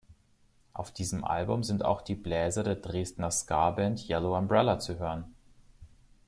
Auf diesem Album sind auch die Bläser der Dresdner Ska-Band Yellow Umbrella zu hören.